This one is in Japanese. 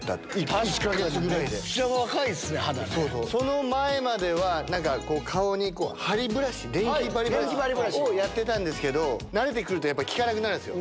確かにめっちゃ若いっすね、その前までは、なんかこう、顔にはりブラシ、電気バリブラシをやってたんですけど慣れてくるとやっぱり効かなくなるんですよ。